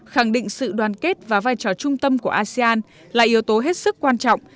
khẳng định sự đoàn kết và vai trò trung tâm của asean là yếu tố hết sức quan trọng